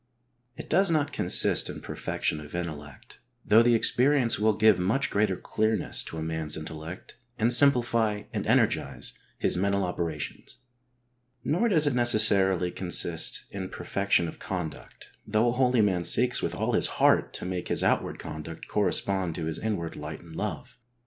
It does not consist in perfection of intellect, though the experience will give much greater clearness to a man's intellect and simplify and energise his mental operations. Nor does it necessarily consist in perfection of conduct, though a holy man seeks with all his heart to make his outward conduct correspond to his in ward light and love.